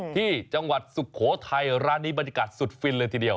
ที่จังหวัดสุโขทัยร้านนี้บรรยากาศสุดฟินเลยทีเดียว